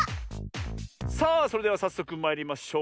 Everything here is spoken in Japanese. さあそれではさっそくまいりましょう。